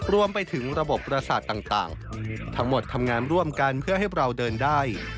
รวมไปถึงระบบประสาทต่างทั้งหมดทำงานร่วมกันเพื่อให้เราเดินได้